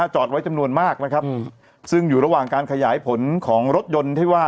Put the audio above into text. จอดไว้จำนวนมากนะครับซึ่งอยู่ระหว่างการขยายผลของรถยนต์ที่ว่า